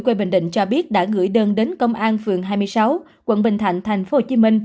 quê bình định cho biết đã gửi đơn đến công an phường hai mươi sáu quận bình thạnh tp hcm